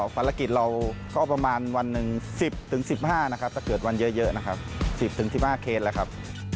ภารกิจเราก็ประมาณวันหนึ่ง๑๐๑๕นะครับถ้าเกิดวันเยอะนะครับ๑๐๑๕เคสแล้วครับ